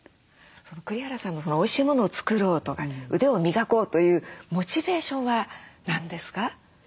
栗原さんのおいしいものを作ろうとか腕を磨こうというモチベーションは何ですか？